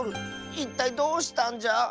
いったいどうしたんじゃ⁉